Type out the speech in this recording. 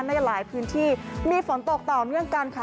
ในหลายพื้นที่มีฝนตกต่อเนื่องกันค่ะ